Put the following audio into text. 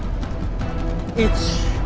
１。